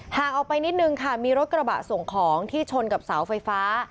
หากออกไปนิดนึงค่ะมีรถกระบะส่งของที่ชนกับเสาไฟฟ้า